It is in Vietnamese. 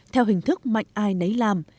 theo hình thức mạnh ai nấy làm